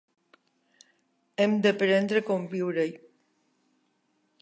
Hem d’aprendre a conviure-hi.